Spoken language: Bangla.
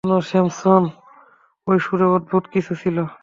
তুমি জানো, স্যামসন, ঐ সুরে অদ্ভুত কিছু ছিলো।